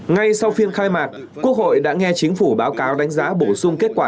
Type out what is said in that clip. ngay sau phiên khai mạc quốc hội đã nghe chính phủ báo cáo đánh giá bổ sung kết quả